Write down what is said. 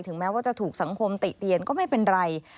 แม้ว่าจะถูกสังคมติเตียนก็ไม่เป็นไร